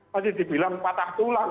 masih dibilang patah tulang